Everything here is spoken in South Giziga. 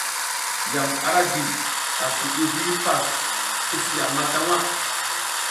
Yam ara gi, asi, hi vi hipas i si yama ta waʼa.